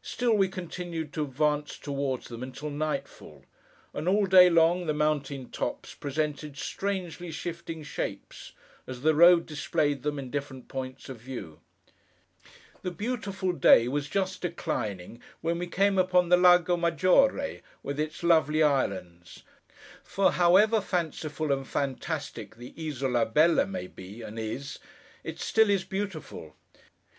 Still, we continued to advance toward them until nightfall; and, all day long, the mountain tops presented strangely shifting shapes, as the road displayed them in different points of view. The beautiful day was just declining, when we came upon the Lago Maggiore, with its lovely islands. For however fanciful and fantastic the Isola Bella may be, and is, it still is beautiful.